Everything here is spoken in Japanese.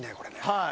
はい。